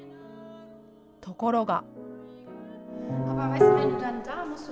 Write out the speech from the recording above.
ところが。